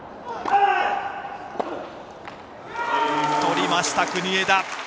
とりました、国枝！